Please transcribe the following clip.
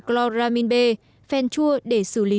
cloramin b phenture để xử lý